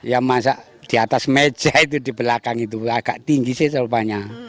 ya masak di atas meja itu di belakang itu agak tinggi sih serupanya